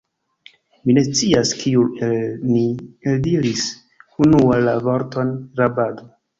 Mi ne scias, kiu el ni eldiris unua la vorton rabado.